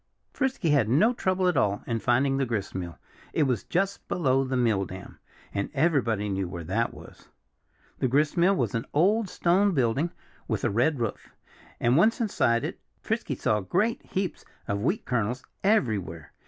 Frisky had no trouble at all in finding the gristmill. It was just below the mill dam. And everybody knew where that was. The gristmill was an old stone building with a red roof. And once inside it Frisky saw great heaps of wheat kernels everywhere.